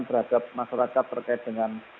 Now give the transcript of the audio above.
terhadap masyarakat terkait dengan